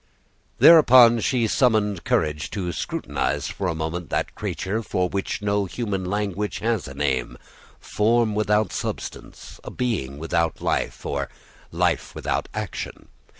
Thereupon she summoned courage to scrutinize for a moment that creature for which no human language has a name, form without substance, a being without life, or life without action.